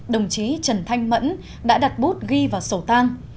đồng chí trần thanh mẫn đã đặt bút ghi vào sổ tang